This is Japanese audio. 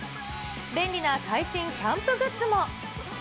便利な最新キャンプグッズも。